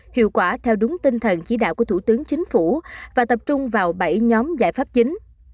hiệu quả theo đúng tinh thần chỉ đạo của thủ tướng chính phủ và tập trung vào bảy nhóm giải pháp chính